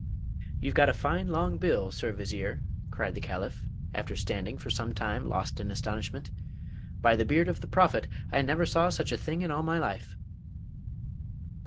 'You've got a fine long bill, Sir Vizier,' cried the Caliph, after standing for some time lost in astonishment. 'By the beard of the Prophet I never saw such a thing in all my life!